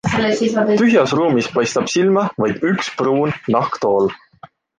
Tühjas ruumis paistab silma vaid üks pruun nahktool.